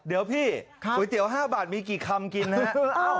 เดี๋ยวพี่ก๋วยเตี๋ยว๕บาทมีกี่คำกินฮะ